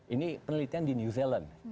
ini penelitian di new zealand